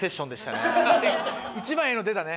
一番ええの出たね。